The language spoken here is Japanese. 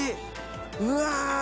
うわ。